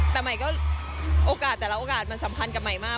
แต่ใหม่ก็โอกาสแต่ละโอกาสมันสำคัญกับใหม่มาก